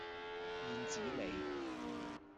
燕子里